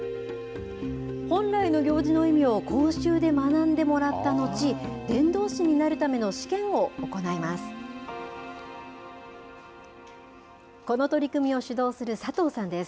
本来の行事の意味を講習で学んでもらった後、伝導士になるための試験を行います。